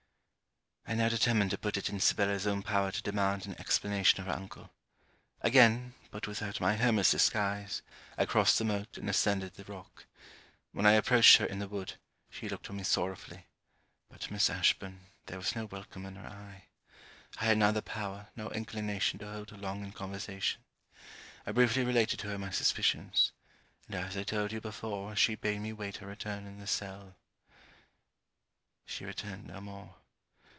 I now determined to put it in Sibella's own power to demand an explanation of her uncle. Again, but without my hermit's disguise, I crossed the moat and ascended the rock. When I approached her in the wood, she looked on me sorrowfully; but, Miss Ashburn, there was no welcome in her eye. I had neither power nor inclination to hold her long in conversation. I briefly related to her my suspicions: and as I told you before, she bade me wait her return in the cell. She returned no more.